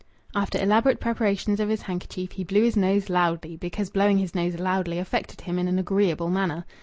After elaborate preparations of his handkerchief, he blew his nose loudly, because blowing his nose loudly affected him in an agreeable manner.